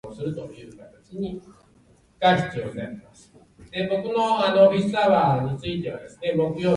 空気読めるロボットを本気でつくります。